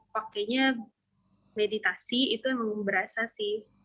pakainya meditasi itu emang berasa sih